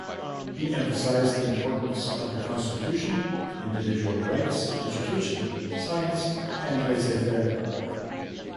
He emphasized the importance of the Constitution, individual rights, education, science and laissez faire.